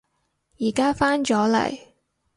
而家返咗嚟